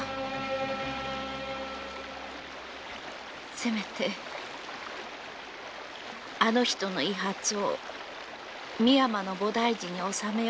せめてあの人の遺髪を三山の菩提寺に納めようと思いまして。